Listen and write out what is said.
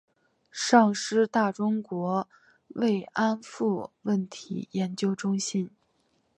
上师大中国慰安妇问题研究中心